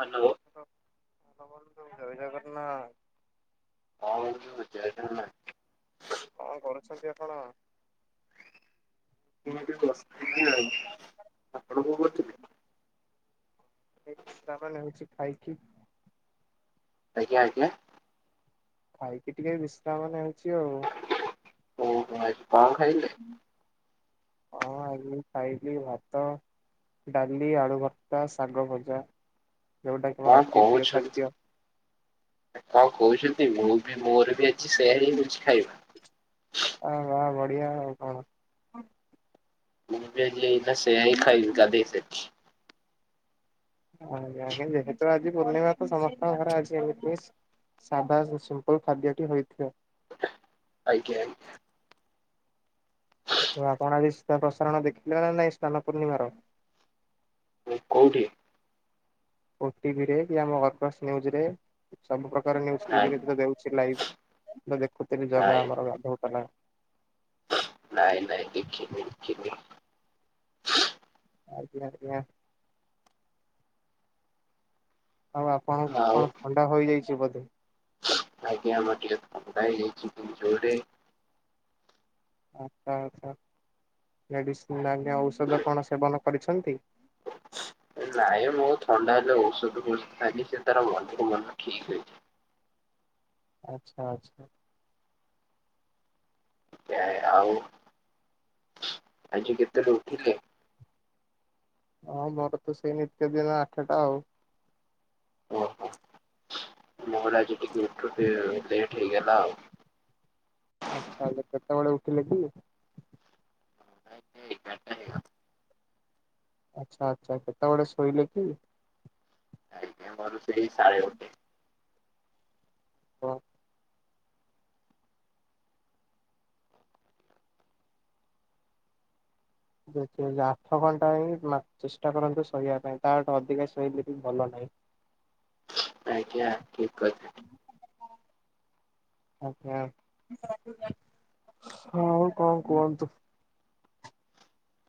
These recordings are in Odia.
ହାଲୋ। ହ୍ଲୋ ହାଲୋ ବନ୍ଧୁ ଜୟ ଜଗନ୍ନାଥ। ହଁ ବନ୍ଧୁ ଜୟ ଜଗନ୍ନାଥ। କଁ କରୁଛନ୍ତି ଆପଣ? ମୁଁ ଏଇଠି ବସିଥିଲି ଆଉ, ଆପଣ କଁ କରୁଛନ୍ତି? ଏ ଶ୍ରାବଣ ହେଉଛି ଖାଇକି ଆଜ୍ଞ ଆଜ୍ଞା। ଖାଇକି ଟିକେ ବିଶ୍ରାମ ନେଉଛି ଆଉ। ଆ କଁଅ ଖାଇଲେ? ହଁ ଆଜି ଖାଇଲିି ଭାତ। ଡାଲି ଆଳୁ ଭତ୍ତା ଶାଗ ଭଜା ଯେଉଁଟାକି କଣ ମୋର ଅତି ପ୍ରିୟ କହୁଛନ୍ତି? ଖାଦ୍ୟ। କଣ କହୁଛନ୍ତି ମୁଁ ବି ମୋର ବି ଆଜି ସେଇଆହିଁ ହେଇଚି ଖାଇବା। ହଁ ବା ବଢିଆ ଆଉ କଣ? ମୁଁ ବି ଆଜି ଏଇନା ସେଇଆହିଁ ଖାଇବି, ଗାଧେଇ ସାରି। ଆଜ୍ଞା [unintelligible] ଆଜି ପୂର୍ଣ୍ଣିମା କୁ ସମସ୍ତଙ୍କର ଆଜି ଏମିତି ସାଧା ସିମ୍ପଲ ଖାଦ୍ୟ ଟି ହୋଇଥିବ। ଆଜ୍ଞାଜ୍ଞା। [inaudible] ଆପଣ ଆଜି ସିଧା ପ୍ରସାରଣ ଦେଖିଲେ ନା ନାଇଁ ସ୍ନାନ ପୂର୍ଣ୍ଣିମାର। କୋଉଠି? ଓ ଟିଭିରେ କି ଆମ ହରପାସ ନିୟୁଜ ରେ ସବୁ ପ୍ରକାରଜ ନିୟୁଜ ନାଇଁ ଟିଭିରେତ ଦେଉଛି ଲାଇଭ। ମୁଁ ଦେଖୁଥିଲି ଜଗା ନାଇଁ ଆମର ଗାଧଉଥିଲା। ନାଇଁ ନାଇଁ ଦେଖିନି ଦେଖିନି। ଆଜ୍ଞାଜ୍ଞା। ଆଉ ଆପଣ ଆଉ କଣ ଥଣ୍ଡା ହୋଇଯାଇଛି ବୋଧେ? ଆଜ୍ଞା ଆମର ଟିକେ ଥଣ୍ଡା ହେଇଯାଇଚି ଜୋରରେ। ଆଚ୍ଛା ଆଚ୍ଛା ମେଡ଼ିସିନ [unintelligible] ଔଷଧ କଣ ସେବନ କରିଛନ୍ତି? ନାଇଁ ମୁଁ ଥଣ୍ଡା ହେଲେ ଔଷଧ [unintelligible] ସେ ତାର ମନକୁ ମନ ଠିକ ହେଇଯାଏ। ଆଚ୍ଛା ଆଚ୍ଛା। ନାଇଁ ଆଉ ଆଜି କେତେରେ ଉଠିଲେ? ହଁ ମୋର ତ ସେଇ ନିତ୍ୟ ଦିନ ଆଠଟା ଆଉ। ଓହୋ ମୋର ଆଜି ଟିକେ ଉଠୁଚି ଲେଟ୍ ହେଇଗଲା ଆଉ। ଆଚ୍ଛା ଯେ କେତେବେଳେ ଉଠିଲେ କି? ଏଗାରଟା ହେଇଗଲା ଆଚ୍ଛା ଆଚ୍ଛା କେତେବେଳେ ଶୋଇଲେ କି? ଆଜ୍ଞା ମୋର ସେଇ ସାଢେ ଗୋଟେ। ହଁ। [unintelligible] ଆଠ ଘଣ୍ଟା ହିଁ ମା ଚେଷ୍ଟା କରନ୍ତୁ ଶୋଇବା ପାଇଁ ତାଠୁ ଅଧିକା ଶୋଇଲେ ବି ଭଲ ନାହିଁ। ଆଜ୍ଞା ଠିକ୍ କଥା। ଆଜ୍ଞା ଆଉ କଣ କୁହନ୍ତୁ?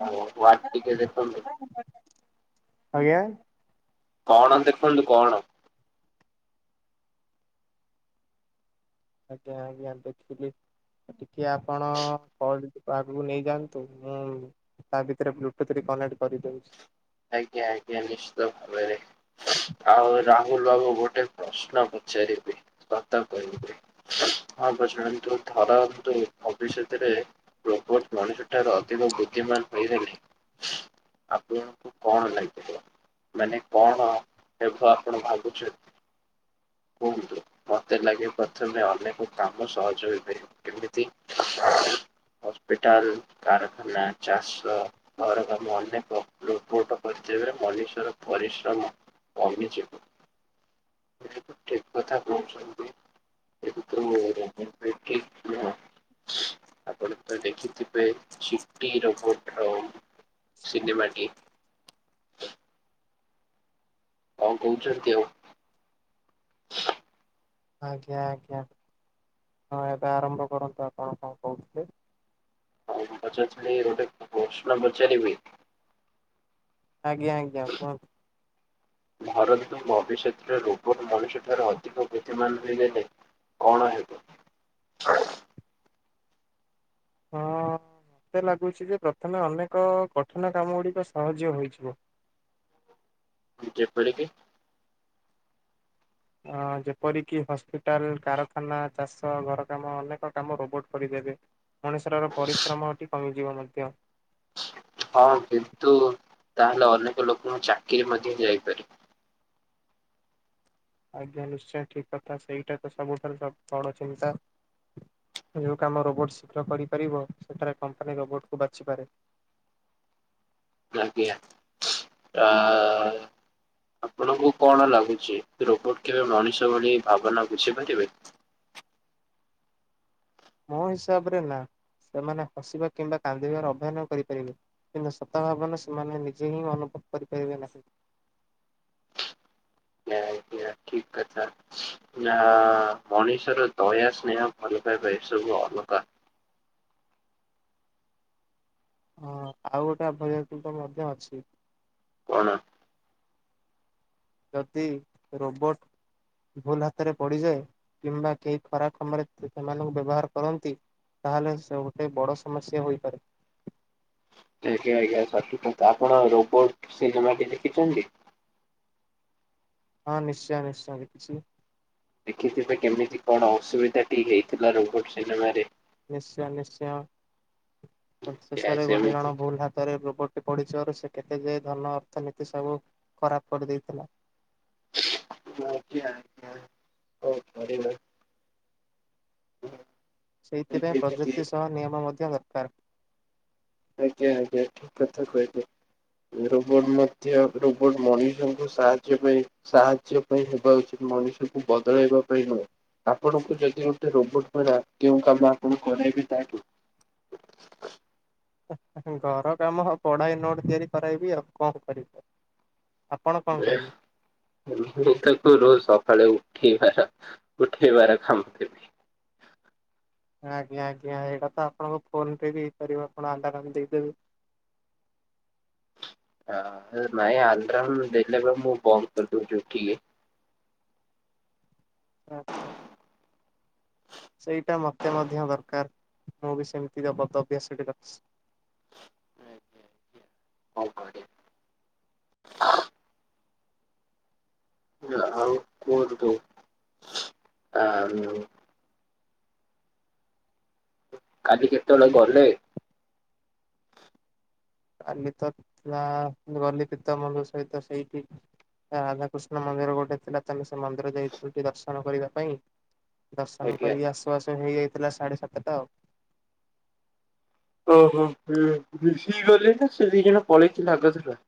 [unintelligible] ଟିକେ ଦେଖନ୍ତୁ। ଆଜ୍ଞା। କଣ ଦେଖନ୍ତୁ କଣ? ଆଜ୍ଞା ଆଜ୍ଞା ଦେଖିଲି। ଟିକିେ ଆପଣ କ ଆଗକୁ ନେଇଯାଆନ୍ତୁ ମୁଁ ତା ଭିତେରେ ବ୍ଲୁଟୁଥ ଟି କନେକ୍ଟ କରିଦଉଛି। ଆଜ୍ଞା ଆଜ୍ଞା ନିଶ୍ଚିତ ଭାବରେ। ଆଉ ରାହୁଲ ବାବୁ ଗୋଟେ ପ୍ରଶ୍ନ ପଚାରିବି ସତ କହିବ। ହଁ ପଚାରନ୍ତୁ। ପ୍ରପର ମଣିଷ ଠାରୁ ଅଧିକ ବୁଦ୍ଧିମାନ ହୋଇଗଲେ ଆପଣଙ୍କୁ କଣ ଲାଗିିବ ମାନେ କଣ ହେବ ଆପଣ ଭାବୁଛନ୍। ମତେ ଲାଗେ ପ୍ରଥମେ ଅନେକ କାମ ସହଜ ହୋଇପାରିବ କେମିତି? ହସ୍ପିଟାଲ, କାରଖାନା, ଚାଷ। ଘର କାମ ଅନେକ ରୋବଟ କରିଥିବେ ମଣିଷର ପରିଶ୍ରମ [unintelligible] ଠିକ କଥା କହୁଛନ୍ତି, କିନ୍ତୁ ମୁଁ ଜାଣିବାରେ କେହି ନୁହଁ। ଆପଣ ତ ଦେଖିଥିବେ ଚିଟି ରୋବୋଟ ଆଉ ସିନେମାଟି। କଁ କହୁଚନ୍ତି ଆଉ? ଆଜ୍ଞା, ଆଜ୍ଞା ହଁ ଏବେ ଆରମ୍ଭ କରନ୍ତୁ ଆପଣ କଣ କହୁଥିଲେ। [unintelligible] ଗୋଟେ ପ୍ରଶ୍ନ ପଚାରିବି। ଆଜ୍ଞା ଆଜ୍ଞା କୁହନ୍ତୁ। [inaudible] ଧରନ୍ତୁ ଭବିଷ୍ୟତରେ ରୋବଟ ମଣିଷଠାରୁ ଅଧିକ ବୁଦ୍ଧି ମାନ [unintelligible] କଣ ହେବ? ହଁ ମତେ ଲାଗୁଚି କି ପ୍ରଥମେ ଅନେକ କଠିନ କାମ ଗୁଡ଼ିକ ସହଜ୍ୟ ହୋଇଯିବ। ଯେ ପରିକିି ଅଁ ଯେପରିକି ହସ୍ପିଟାଲ, କାରଖାନା, ଚାଷ, ଘର କାମ ଅନେକ କାମ ରୋବୋଟ କରିଦେବେ। ମଣିଷର ପରିଶ୍ରମଟି କମିଯିବ ମଧ୍ୟ। ହଁ କିନ୍ତୁ ତାହେଲେ ଅନେକ ଲୋକଙ୍କ ଚାକିରି ମଧ୍ୟ ଯାଇପାରିବ। ଆଜ୍ଞା ନିଶ୍ଚୟ ଠିକ କଥା, ସେଇଟା ତ ସବୁଠାରୁ ସ ବଡ ଚିନ୍ତା। ଯୋଉ କାମ ରୋବୋଟ ଶୀଘ୍ର କରିପାରିବ ସେଠାରେ କମ୍ପାନୀ ରୋବୋଟକୁ ବାଛିପାରେ। ଆଜ୍ଞା [unintelligible] ଆପଣଙ୍କୁ କଣ ଲାଗୁଚି, ରୋବଟ କେବେ ମଣିଷ ଭଳି ଭାବନା ବୁଝିପାରିବେ। ମୋ ହିସାବରେ ନା, ସେମାନେ ହସିବା କିମ୍ବା କାନ୍ଦିବାର ଅଭୟନ କରିପାରିବେ। କିନ୍ତୁ ସତ ଭାବନା ସେମାନେ ନିଜେ ହିଁ ଅନୁଭବ କରିପାରିବେ ନାହିଁ। ନା ଆଜ୍ଞା ଠିକ। ଆଚ୍ଛା [unintelligible] ନା ମଣିଷର ଦୟା, ସ୍ନେହ, ଭଲ ପାଇବା ଏସବୁ ଅଲଗା। ହଁ ଆଉ ଗୋଟେ ଆ ଭୟ କିନ୍ତୁ ମଧ୍ୟ ଅଛି। କଣ? ଯଦି ରୋବୋଟ ଭୁଲ ହାତରେ ପଡିଯାଏ କିମ୍ବା କେହି ଖରାପ୍ କାମରେ ତେ ସେମାନଙ୍କୁ ବ୍ୟବହାର କରନ୍ତି। ତାହେଲେ ସେ ଗୋଟେ ବଡ଼ ସମସ୍ୟା ହୋଇପାରେ। ଆଜ୍ଞା, ଆଜ୍ଞା [unintelligible] ଆପଣ ରୋବଟ ସିନେମା କିଏ ଦେଖିଛନ୍ତି? ହଁ ନିଶ୍ଚୟ ନିଶ୍ଚୟ ଦେଖିଛି। ଦେଖିଥିବେ କେମିତି କଣ ଅସୁବିଧା ଟି ହେଇଥିଲା ରୋବୋଟ ସିନେମାରେ। ନିଶ୍ଚୟ, ନିଶ୍ଚୟ ଏ ଶେଷରେ ଗୋଟେ ସେମିତି ଜଣ ଭୁଲ ହାତରେ ରୋବଟ ସେ ପଡିଥିବାରୁ ସେ କେତେ ଯେ ଧନ ଅର୍ଥନୀତି ସବୁ ଖରାପ କରିଦେଇଥିଲା। ଆଜ୍ଞା, କଣ କଣ କରିବା? ସେଇଥିପାଇଁ ପ୍ରଯୁକ୍ତି ସହ ନିୟମ ମଧ୍ୟ ଦରକାର। ଆଜ୍ଞା ଆଜ୍ଞା ଠିକ କଥା କହିଲେ। ରୋବୋଟ ମଧ୍ୟ ରୋବୋଟ ମଣିଷଙ୍କୁ ସାହାଯ୍ୟ ପାଇଁ ସାହାଯ୍ୟ ପାଇଁ ହେବା ଉଚିତ, ମଣିଷକୁ ବଦଳେଇବା ପାଇଁ ନୁହେଁ। ଆପଣଙ୍କୁ ଯଦି ଗୋଟେ ରୋବୋଟ ଦ୍ଵାରା କେଉଁ କାମ ଆପଣ କରେଇବେ ତାକେ? ଘର କାମ ହଉ ପଢ଼ାଇ ନୋଟ୍ ତିଆରି କରାଇବି ଆଉ କଣ କରିବି ତାକୁ। ଆପଣ କଣ କରିବେ? [unintelligible] ତାକୁ ରୋଜ ସକାଳେ ଉଠେଇବାର ଉଠେଇବାର କାମ। [unintelligible] ଆଜ୍ଞା, ଆଜ୍ଞା ଏଇଟା ତ ଆପଣଙ୍କ ଫୋନ ପେ ବି ହେଇପାରିବ ଆପଣ ଆଣ୍ଡାମାନ ଦେଇପାରିବେ। ହଁ ନାଇଁ ଆଣ୍ଡ୍ରାମ ଦେଲେପା ମୁଁ ବନ୍ଦ କରିଦଉଚି ଉଠିକି। ଆଚ୍ଛା। [inaudible] ସେଇଟା ମତେ ମଧ୍ୟ ଦରକାର ମୁଁ ବି ସେମିତିର ବଦଭ୍ୟାସ କଣ କରିବା। ଆଉ କୁହ ତୁ ଆ କାଲି କେତେବେଳେ ଗଲେ କାଲି ତଥିଲା ଗଲି ପିତାମଲ ସହିତ ସେଇଠି ରାଧାକୃଷ୍ଣ ମନ୍ଦିର ଗୋଟେ ଥିଲା ତମେ ସେ ମନ୍ଦିର ଯାଇଥିଲ ଦର୍ଶନ କରିବା ପାଇଁ। ଦର୍ଶନ ଆଜ୍ଞା। କରିକି ଆସୁ ଆସ ହେଇଯାଇଥିଲା ସାଢ଼େ ସାତଟା ଆଉ ଓହୋ ମିଶିଗଲେ ନା ସେ ଦି ଜଣ ପଳେଇକି ଲାଗିଥିଲା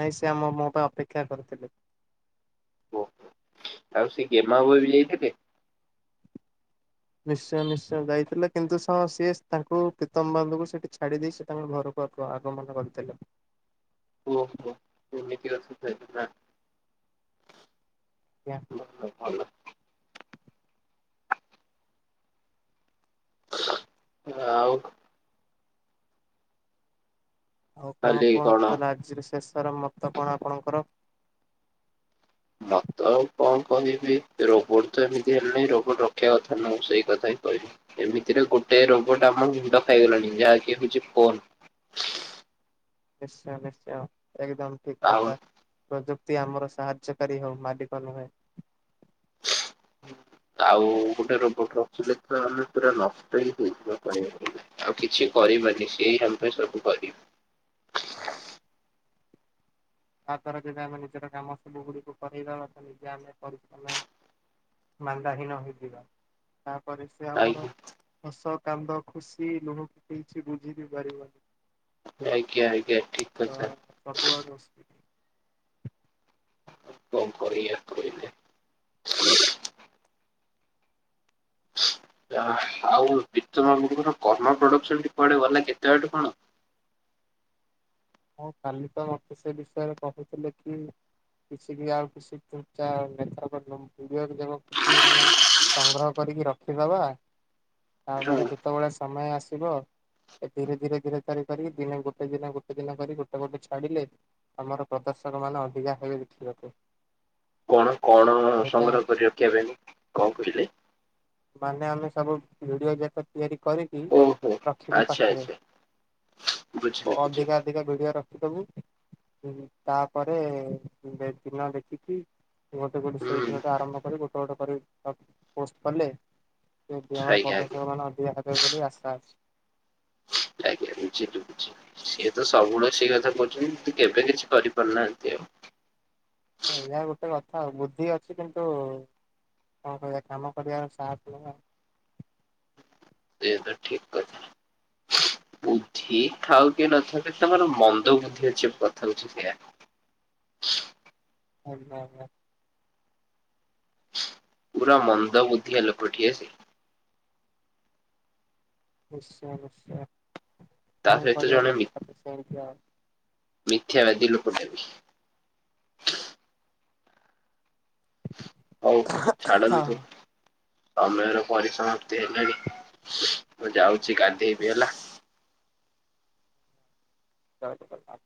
ନାଇଁ ସେ ଆମ ମୋ ପାଇଁ ଅପେକ୍ଷା କରିଥିଲି। ଓହ ଆଉ ସେ ଗେମା ବାବୁ ଘର ଯାଇଥିଲେ ନିଶ୍ଚୟ ନିଶ୍ଚୟ ଯାଇଥିଲେ କିନ୍ତୁ ସିଏ ତାଙ୍କୁ ପ୍ରୀତମବନ୍ଧୁଙ୍କୁ ସେଠି ଛାଡି ଦେଇ ସେ ତାଙ୍କର ଘରକୁ ଆଗମନ କରିଥିଲେ। ଓହୋ ଏତି ରସ ନା ଆଜ୍ଞା। ଆଉ ସବୁ ଭଲ। ଆଉ ଆଉ କଣ କୁହନ୍ତୁ ତାହଲେ ଆଜିର ଶେଷର ମତ କଣ ଆପଣଙ୍କର। ମତ ଆଉ କଣ କହିବି ରୋବୋଟ ତ ଏମିତି ହେଲାଣିି ରୋବୋଟ ରଖିବା କଥା ନଁ ସେଇ କଥା ହିଁ କହିବି। ଏମିତିରେ ଗୋଟେ ରୋବୋଟ ଆମ ମୁଣ୍ଡ ଖାଇଗଲାଣି ଯାହାକି ହଉଛି ଫୋନ। ନିଶ୍ଚୟ ନିଶ୍ଚୟ ଏକଦମ ଠିକ୍ ଆଉ କଥା। ପ୍ରଯୁକ୍ତି ଆମର ସାହାଯ୍ୟକାରୀ ହଉ ମାଲିକ ନୁହେଁ। ହୁଁ। [inaudible] ଆଉ ଗୋଟେ ରୋବୋଟ ରଖିଲେ ଆମେ ପୁରା ନଷ୍ଟ ହିଁ ହେଇଥିବା କହିବା ଆଉ କିଛି କରିବନି ସେ ଆମ ପାଇଁ ସବୁ କରିବ। ତା ଦ୍ଵାରା ଯଦି ଆମେ ନିଜର କାମ ସବୁ ଗୁଡିିକ କରିବା ନିଜେ ଆମେ ପରିଶ୍ରମରେ ମାନ୍ଦା ହୀନ ହେଇଯିବ ତାପରେ ସେ ଆମର ଆଜ୍ଞା ହସ କାନ୍ଦ ଖୁସି ଲୁହକୁ କି କିଛି ବୁଝି ବି ପାରିବନି। ଆଜ୍ଞା ଆଜ୍ଞା ଠିକ୍ କଥା ପ୍ରବଳ ଦୋଷ। କଣ କରିବା କହିଲେ। ଆଉ ପ୍ରତମବ କଣ କର୍ମ ପ୍ରଡକ୍ସନ ପଡେ ଗଲା କେତେ ବାଟ କଣ। ମୁଁ କାଲି ତ ଅଫିସ ବିଷୟରେ କହୁଥିଲେ କି କିଛି ବି ଆଉ କିଛି ନେତାଙ୍କ ଯୁଆଡେ ଯାହା ଖୁସି କିଛି ଆମେ ସଂଗ୍ରହ କରିକି ରଖିଦବା। ତାପରେ ଯୋଉ ଯେତେବେଳେ ସମୟ ଆସିବ ଧୀରେ ଧୀରେ ଧୀରେ ତିରି କରିକି ଦିନେ ଗୋଟେ ଦିନେ ଗେ ଗୋଟେ ଦିନ କରି ଗୋଟେ ଗୋଟେ ଛାଡ଼ିଲେ ଆମର ପ୍ରଦର୍ଶକ ମାନେ ଅଧିକା ହେବେ ଦେଖିବାକୁ କଣ କଣ ଏଟା ସଂଗ୍ରହ କରି ରଖିବା ପାଇଁ କଣ କହିଲେ ମାନେ ଆମେ ସବୁ ଭିଡିଓ ଯାକ ତିଆରି କରିକି ଓହୋ ରଖିବୁ ଆଚ୍ଛା ପାଖରେ ଆଚ୍ଛା ବୁଝିଲି ବୁଝିଲି ଅଧିକା ଅଧିକା ବିଡିଆ ରଖିଦବୁ ତାପରେ ଚହିନ ଦେଖିକି। ଗୋଟେ ଗୋଟେ ସେଇ ହୁଁ ଦିନଟା ଆରମ୍ଭ କରି ଗୋଟେ ଗୋଟେ କରି ପୋଷ୍ଟ କଲେ ସେ ଦେର ଆଜ୍ଞା ଆଜ୍ଞା ପ୍ରବେଷକ ମାନ ଅଧିକା ହାତରେ ପଢି ଆଶା ଅଛି ଆଜ୍ଞା। ବୁଝିଲି ଲୁଝଛି [inaudible] ସିଏ ତ ସବୁବେଳେ ସେଇ କଥା କହୁଚନ୍ତି କିନ୍ତୁ କେବେ କିଛି କରି ପାରୁନାହାନ୍ତି ଆଉ ଏୟା ଗୋଟେ କଥା ବୁଦ୍ଧି ଅଛି କିନ୍ତୁ କଁ କରିଆ କାମ କରିଆର ସାଥ ନାଇଁ ଆଉ ସିଏ ତ ଠିକ୍ କଥା। ବୁଦ୍ଧି ଥାଉ କି ନ ଥାଉ ତମର ମନ୍ଦ ବୁଦ୍ଧି ଅଛି କଥା ହଉଚି ସେୟା ହଁ ହଁ। [inaudible] ପୁରା ମନ୍ଦ ବୁଦ୍ଧିଆ ଲୋକଟିଏ ସେ। ନିଶ୍ଚୟ ନିଶ୍ଚୟ ତା କଣ ସହିତ କରିଆ ଲୋକଟା ତ ସେମିତି ଆଉ ମିଥ୍ୟାବାଦି ଲୋକଟା ବି। ହଉ ହଁ ଛାଡ଼ନ୍ତୁ। ସମୟର ପରିସମାପ୍ତି ହେଲାଣି ମୁଁ ଯାଉଚି ଗାଧେଇବି ହେଲା। ଜୟ ଜଗନ୍ନାଥ।